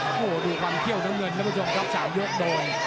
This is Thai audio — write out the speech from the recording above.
โอ้โหดูความเที่ยวเงินนะครับผู้ชมครับ๓ยกโดน